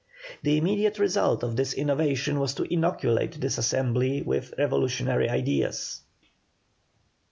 The immediate result of this innovation was to inoculate this assembly with revolutionary ideas.